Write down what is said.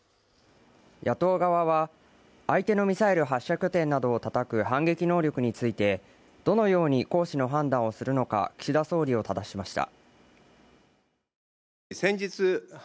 野党側は、相手のミサイル発射拠点などを叩く反撃能力についてどのように行使の判断をするのか、岸田総理をただしました。